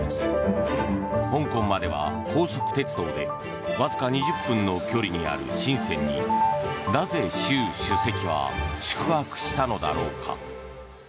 香港までは高速鉄道でわずか２０分の距離にあるシンセンに、なぜ習主席は宿泊したのだろうか。